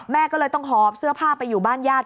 แม่ก็เลยต้องหอบเสื้อผ้าไปอยู่บ้านญาติ